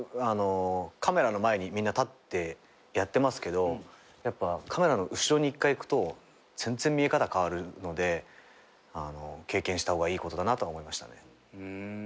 カメラの前にみんな立ってやってますけどやっぱカメラの後ろに１回行くと全然見え方変わるので経験した方がいいことだなとは思いましたね。